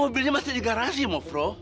bilnya masih di garasi mofro